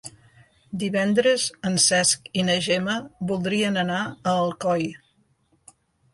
Divendres en Cesc i na Gemma voldrien anar a Alcoi.